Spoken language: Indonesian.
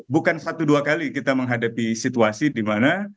bukan satu dua kali kita menghadapi situasi di mana